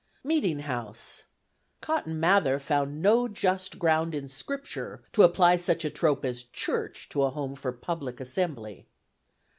Meeting house: (Cotton Mather found "no just ground in Scripture to apply such a trope as 'church' to a home for public assembly.")